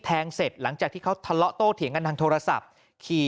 เสร็จหลังจากที่เขาทะเลาะโต้เถียงกันทางโทรศัพท์ขี่